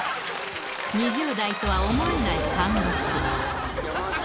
２０代とは思えない貫禄。